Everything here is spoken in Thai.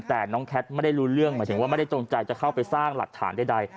แต่น้องแคทไม่ได้รู้เรื่องหมายถึงว่าไม่ได้จงใจจะเข้าไปสร้างหลักฐานใด